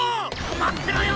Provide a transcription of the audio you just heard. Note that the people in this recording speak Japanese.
まってろよ！